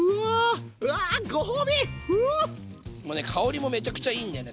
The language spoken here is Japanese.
もうね香りもめちゃくちゃいいんだよね最高ですね。